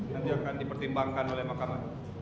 nanti akan dipertimbangkan oleh mahkamah